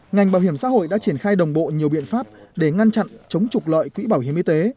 ngành bảo hiểm xã hội đã triển khai đồng bộ nhiều biện pháp để ngăn chặn chống trục lợi quỹ bảo hiểm y tế